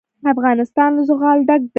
افغانستان له زغال ډک دی.